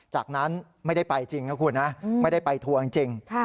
จากนั้นไม่ได้ไปจริงนะคุณนะไม่ได้ไปทัวร์จริง